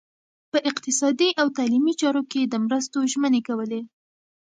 په اقتصادي او تعلیمي چارو کې د مرستو ژمنې کولې.